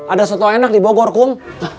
ada soto enak di bogor kung